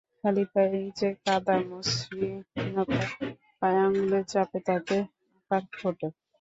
খালি পায়ের নিচে কাদা মসৃণতা পায়, আঙুলের চাপে তাতে আকার ফোটে।